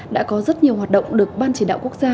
đã có rất nhiều hoạt động được ban chỉ đạo quốc gia